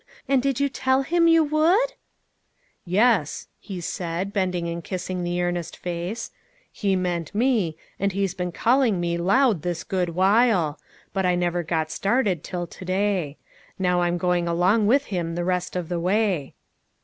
and did you tell Him you would?" "Yes," he said, bending and kissing the earnest face, " He meant me, and He's been call ing me loud, this good while ; but I never got started till to day. Now I'm going along with Him the rest of the way."